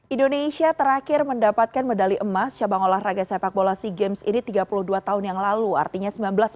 indonesia terakhir mendapatkan medali emas cabang olahraga sepak bola sea games ini tiga puluh dua tahun yang lalu artinya seribu sembilan ratus sembilan puluh